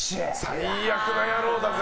最悪な野郎だぜ。